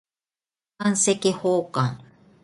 版籍奉還